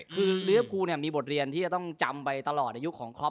คือลิเวอร์ภูมีบทเรียนที่จะต้องจำไปตลอดอายุของครอป